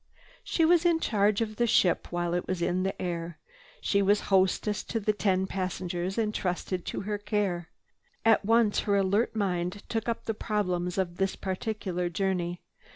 She was in charge of the "ship" while it was in the air. She was hostess to the ten passengers entrusted to her care. At once her alert mind took up the problems of this particular journey.